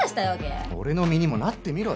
俺の身にもなってみろよ。